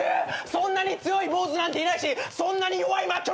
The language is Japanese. そんなに強い坊主なんていないしそんなに弱いマッチョ